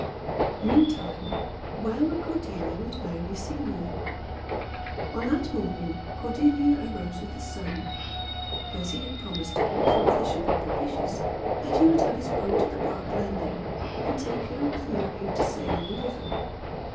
Meantime where were Cordelia and Mary Seymour? On that morning Cordelia arose with the sun. Percy had promised her, if the weather should be propitious, that he would have his boat at the Park landing, and take her, with Mary, to sail on the river.